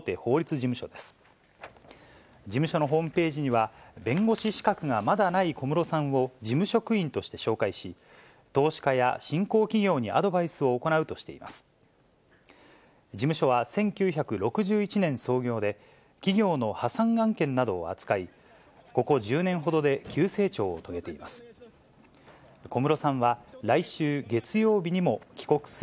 事務所は１９６１年創業で、企業の破産案件などを扱い、ここ１０年ほどで急成長を遂げています。